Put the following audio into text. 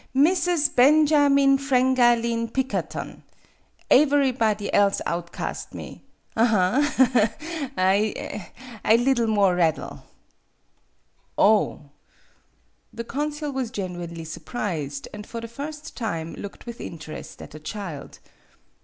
Missus Ben ja meen Frang a leen Pikkerton. Aeverybody else outcast me. Aha, ha, ha! I liddle more raddle'." "Oh!" The consul was genuinely sur prised, and for the first time looked with interest at the child.